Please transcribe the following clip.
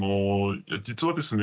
実はですね